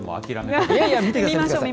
いやいや、見てください。